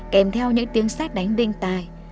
kèm theo những tiếng xét đánh đinh tai